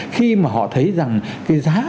khi mà họ thấy rằng cái giá